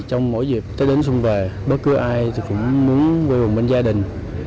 trong mỗi dịp tết đến xuân về bất cứ ai cũng muốn vui vùng bên gia đình